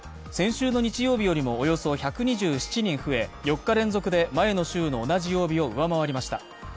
先週の日曜日よりも、およそ１２７人増え、４日連続で前の週の同じ曜日を上回りました。